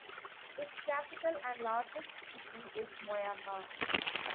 Its capital and largest city is Moyamba.